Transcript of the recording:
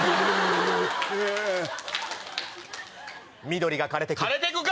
緑が枯れてく。